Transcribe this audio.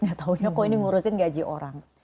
gak taunya kok ini ngurusin gaji orang